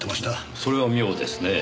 それは妙ですねぇ。